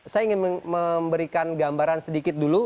saya ingin memberikan gambaran sedikit dulu